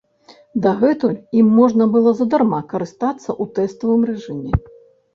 Дагэтуль ім можна было задарма карыстацца ў тэставым рэжыме.